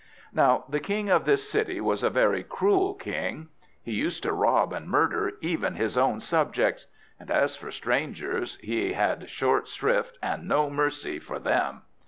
Now the king of this city was a very cruel king. He used to rob and murder even his own subjects; and as for strangers, he had short shrift and no mercy for them.